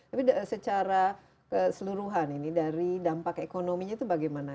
tapi secara keseluruhan ini dari dampak ekonominya itu bagaimana